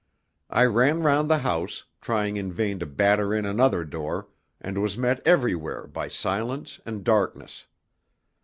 I ran round the house, trying in vain to batter in another door, and was met everywhere by silence and darkness.